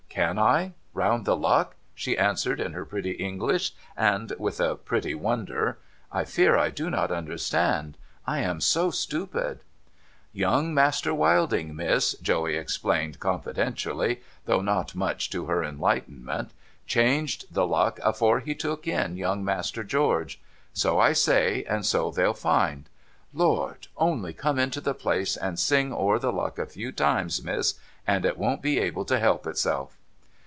' Can I ? Round the luck?' she answered, in her pretty English, and with a pretty wonder. ' I fear I do not understand. I am so stupid.' ' Young Master Wilding, Miss,' Joey explained confidentially, though not much to her enlightenment, ' changed the luck, afore he took in young Master George. So I say, and so they'll find. Lord ! Only come into the place and sing over the luck a few times, Miss, and it won't be able to help itself